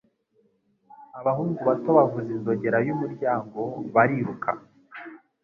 Abahungu bato bavuza inzogera y'umuryango bariruka.